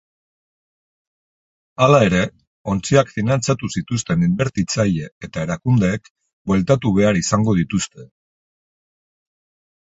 Hala ere, ontziak finantzatu zituzten inbertitzaile eta erakundeek bueltatu behar izango dituzte.